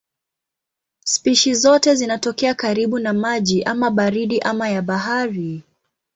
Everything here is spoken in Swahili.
Spishi zote zinatokea karibu na maji ama baridi ama ya bahari.